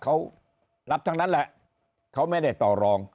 เขารับทั้งนั้นแหละเขาไม่ได้ต่อรอง